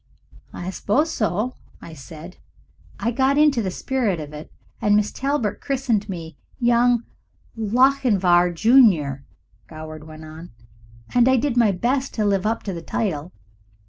"I suppose so," said I. "I got into the spirit of it, and Miss Talbert christened me Young Lochinvar, Junior," Goward went on, "and I did my best to live up to the title.